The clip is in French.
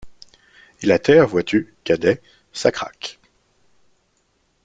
et la terre, vois-tu, Cadet, ça craque !